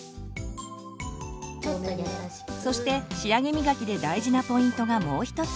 そして仕上げみがきで大事なポイントがもう一つ。